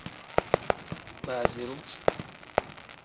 Baaziru.